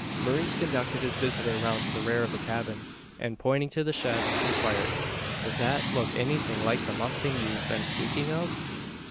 Maurice conducted his visitor round to the rear of the cabin; and, pointing into the shed, inquired "Does that look anything like the mustang you've been speaking of?"